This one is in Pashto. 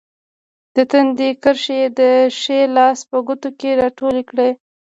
د تندي کرښې یې د ښي لاس په ګوتو کې راټولې کړې.